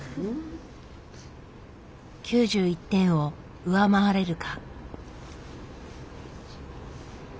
９１点を上回れるか？